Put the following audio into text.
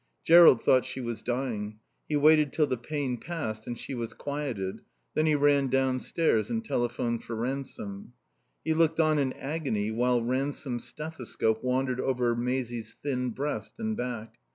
Jerrold thought she was dying. He waited till the pain passed and she was quieted, then he ran downstairs and telephoned for Ransome. He looked on in agony while Ransome's stethoscope wandered over Maisie's thin breast and back.